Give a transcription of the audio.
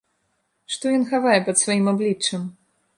Што ён хавае пад сваім абліччам?